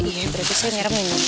iya berarti saya nyeremin